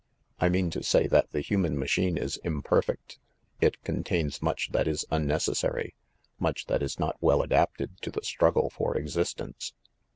"I mean to say that the human machine is imperfect. It contains much that is unnecessary, much that is not well adapted to the struggle for existence."